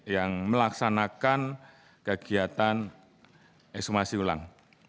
yang melaksanakan kegiatan ekshumasi ulang